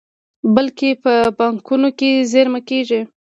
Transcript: بلکې په بانکونو کې زېرمه کیږي.